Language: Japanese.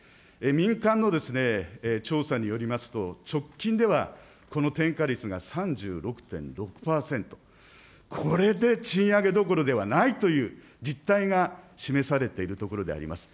民間の調査によりますと、直近ではこの転嫁率が３６．６％、これで賃上げどころではないという実態が示されているところであります。